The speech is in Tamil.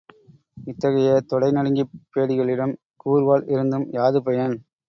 இத்தகைய தொடைநடுங்கிப் பேடிகளிடம் கூர்வாள் இருந்தும் யாது பயன்?